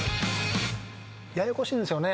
ややこしいんですよね